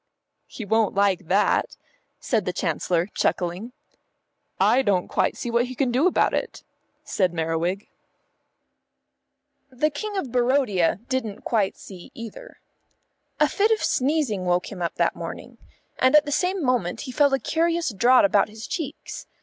"He won't like that," said the Chancellor, chuckling. "I don't quite see what he can do about it," said Merriwig. The King of Barodia didn't quite see either. A fit of sneezing woke him up that morning, and at the same moment he felt a curious draught about his cheeks.